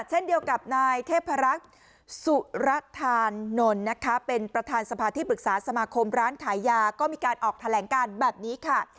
เช่นเดียวกับนายเทพรักษ์สุรธานนท์นะคะเป็นประธานสภาที่ปรึกษาสมาคมร้านขายยาก็มีการออกแถลงการแบบนี้ค่ะ